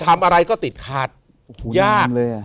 ทำอะไรก็ติดขาดยาก